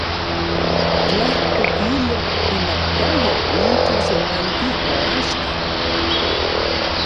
Tlajko kilo inakayo nin tlasemanki moaxka.